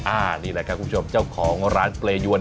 อันนี้แหละครับคุณผู้ชมเจ้าของร้านเปรยวน